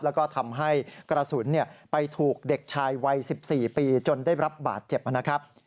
แล้วก็ทำให้กระสุนไปถูกเด็กชายวัย๑๔ปีจนได้รับบาดเจ็บนะครับ